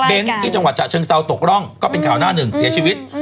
ที่จังหวัดฉะเชิงเซาตกร่องก็เป็นข่าวหน้าหนึ่งเสียชีวิต